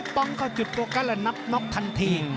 ป้องก็จุดตัวกันแล้วนับน็อกทันที